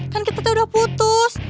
kan kita udah putus